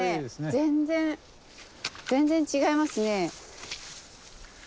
全然全然違いますね。